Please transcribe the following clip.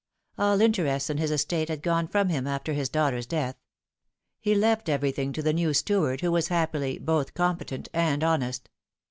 All interest in his estate had gone from him after his daughter's death. He left everything to the new steward, who was happily both competent and honest.